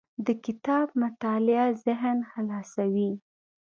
د کتاب مطالعه ذهن خلاصوي.